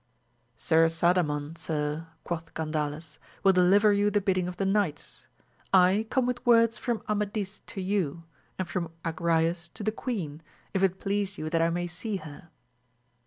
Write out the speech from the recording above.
Sir Sadamon, sir, quoth Gandales, will deliver you the bidding of the knights. I come with words from Amadis to you, and from Agrayes to the queen, if it please you that I may see her.